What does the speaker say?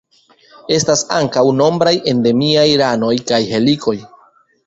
Estas ankaŭ nombraj endemiaj ranoj kaj helikoj.